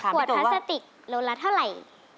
ขวดพลาสติกโลละเท่าไหร่